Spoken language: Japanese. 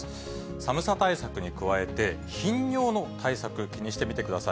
寒さ対策に加えて、頻尿の対策、気にしてみてください。